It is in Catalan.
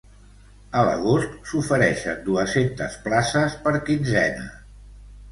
A l’agost s’ofereixen dues-centes places per quinzena.